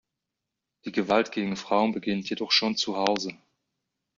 Die Gewalt gegen Frauen beginnt jedoch schon zu Hause.